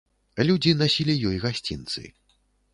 Людзі насілі ёй гасцінцы.